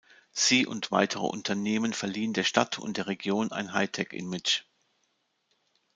Sie und weitere Unternehmen verliehen der Stadt und der Region ein High-Tech-Image.